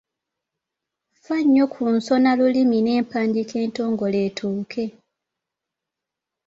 Fa nnyo ku nsonalulimi n’empandiika entongole etuuke